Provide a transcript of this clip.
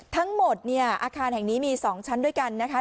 ทั้งหมดเนี่ยอาคารแห่งนี้มี๒ชั้นด้วยกันนะคะ